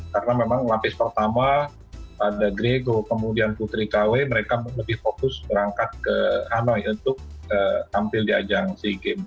karena memang lapis pertama ada grego kemudian putri kw mereka lebih fokus berangkat ke hanoi untuk tampil di ajang si game